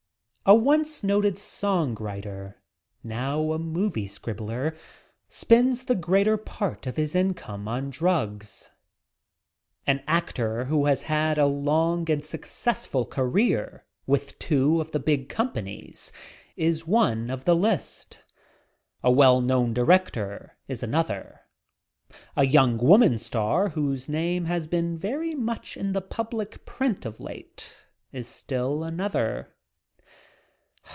A once noted song writer, now a movie scribbler, spends the greater part of his income for drugs. An actor who has had a long and successful career with two of the big companies is one of the list. A well known director is another. A young woman star, whose name has been very much in the public print of late, is still another.